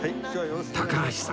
高橋さん